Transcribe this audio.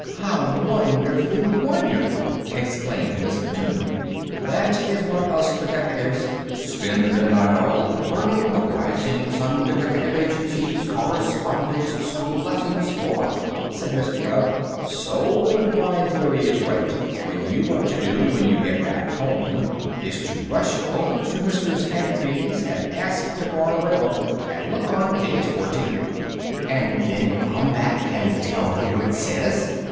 "How wonderfully wonderful!" exclaimed Miss Petunia. "That is what us deteckatives spend the midnight oil learning the Rising Sun Deteckative Agency's Correspondence School lessons for," said Mr. Gubb. "So, if my theory is right, what you want to do when you get back home is to rush over to Mrs. Canterby's and ask to borrow a book, and look on page fourteen." "And then come back and tell you what it says?"